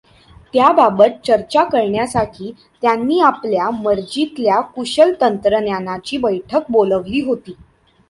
त्याबाबत चर्चा करण्यासाठी त्यांनी आपल्या मर्जीतल्या कुशल तंत्रज्ञांची बैठक बोलावली होती.